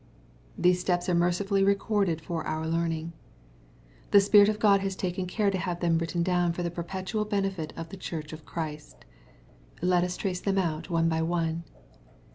These steps are merciiully recorded for our learniDg. The Spirit of God has taken care to have them written down for the perpetual benefit of the Church of Christ. Let us trace them out one by one.